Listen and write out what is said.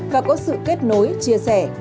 và có sự kết nối chia sẻ